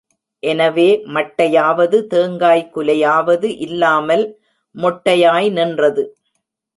எனவே மட்டையாவது தேங்காய் குலையாவது இல்லாமல் மொட்டையாய் நின்றது.